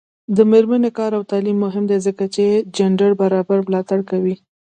د میرمنو کار او تعلیم مهم دی ځکه چې جنډر برابرۍ ملاتړ کوي.